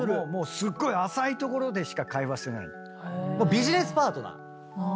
ビジネスパートナー。